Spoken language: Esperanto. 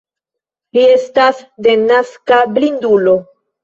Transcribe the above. Li estas denaska blindulo.